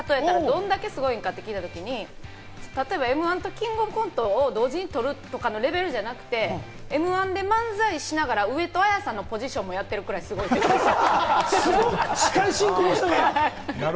野球のこと全然わかんないんですけど、野球の詳しい芸人に例えたら、どんだけすごいんか？って聞いた時に例えばМ‐１とキングオブコントを同時にとるとかのレベルじゃなくて、М‐１で漫才しながら、上戸彩さんのポジションもやってるくらいすごいって言ってました。